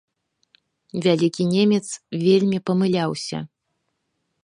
Вялікі немец вельмі памыляўся.